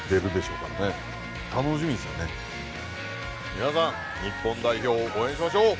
みなさん日本代表を応援しましょう！